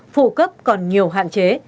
phụ cấp còn nhiều hạn chế